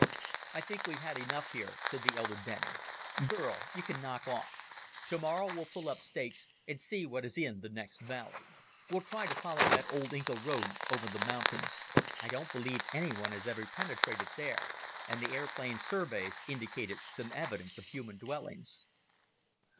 "I think we've had enough here," said the elder Denning. "Burl, you can knock off. Tomorrow we'll pull up stakes and see what is in the next valley. We'll try to follow that old Inca road over the mountains. I don't believe anyone has ever penetrated there and the airplane surveys indicated some evidence of human dwellings."